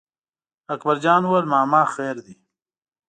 اکبر جان وویل: ماما خیر دی.